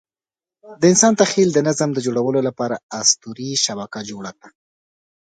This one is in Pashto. د انسان تخیل د نظم د جوړولو لپاره اسطوري شبکه جوړه کړه.